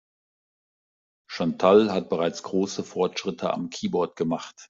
Chantal hat bereits große Fortschritte am Keyboard gemacht.